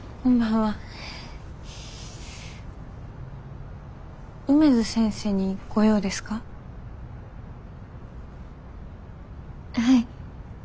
はい。